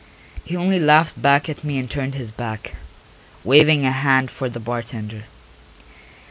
He only laughed back at me and turned his back, waving a hand for the bartender.